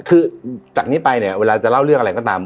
คือจากนี้ไปเนี่ยเวลาจะเล่าเรื่องอะไรก็ตาม